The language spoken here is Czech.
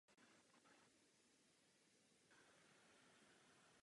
Tato zpráva přináší souhrn situace ve všech členských státech.